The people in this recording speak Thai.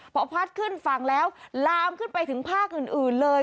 พอพัดขึ้นฝั่งแล้วลามขึ้นไปถึงภาคอื่นเลย